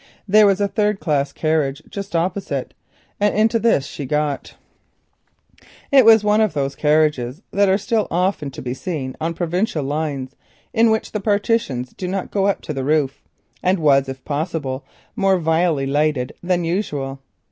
There was a third class compartment just opposite, and this she entered. It was one of those carriages that are still often to be seen on provincial lines in which the partitions do not go up to the roof, and, if possible, more vilely lighted than usual.